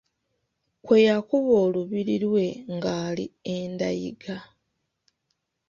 Kwe yakuba olubiri lwe ng’ali e ndayiga.